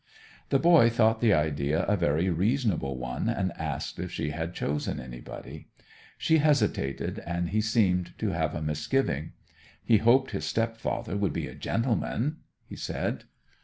The boy thought the idea a very reasonable one, and asked if she had chosen anybody? She hesitated; and he seemed to have a misgiving. He hoped his stepfather would be a gentleman? he said.